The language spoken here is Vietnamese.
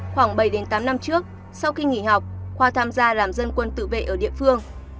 khoảng bảy tám năm trước sau khi nghỉ học khoa tham gia làm dân quân tự vệ ở địa phương